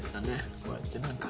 こうやって何か。